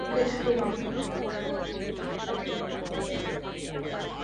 একটা কথা জিজ্ঞেস করি?